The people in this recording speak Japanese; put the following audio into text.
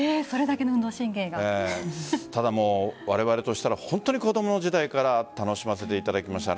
ただ、われわれとしたら本当に子供の時代から楽しませていただきました。